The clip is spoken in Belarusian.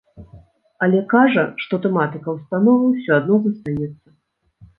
Але кажа, што тэматыка ўстановы ўсё адно застанецца.